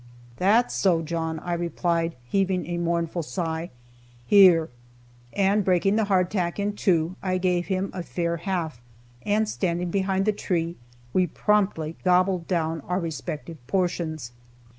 "That's so, John," I replied, heaving a mournful sigh, "here;" and breaking the hardtack in two, I gave him a fair half, and standing behind the tree we promptly gobbled down our respective portions.